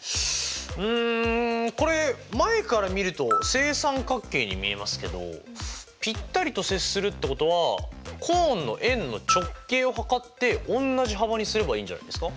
うんこれ前から見ると正三角形に見えますけどぴったりと接するってことはコーンの円の直径を測っておんなじ幅にすればいいんじゃないですか？